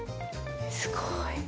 すごーい。